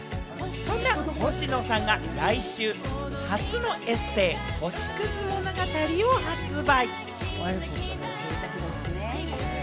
そんな、ほしのさんが来週、初のエッセイ『星屑物語』を発売。